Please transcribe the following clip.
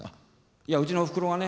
いやうちのおふくろがね